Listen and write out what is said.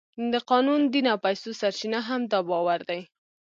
د قانون، دین او پیسو سرچینه هم دا باور دی.